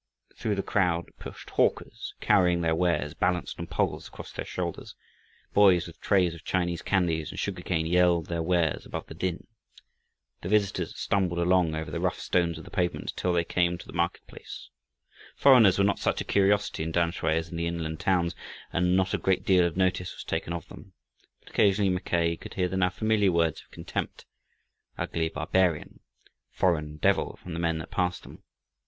Through the crowd pushed hawkers, carrying their wares balanced on poles across their shoulders. Boys with trays of Chinese candies and sugar cane yelled their wares above the din. The visitors stumbled along over the rough stones of the pavement until they came to the market place. Foreigners were not such a curiosity in Tamsui as in the inland towns, and not a great deal of notice was taken of them, but occasionally Mackay could hear the now familiar words of contempt "Ugly barbarian" "Foreign devil" from the men that passed them.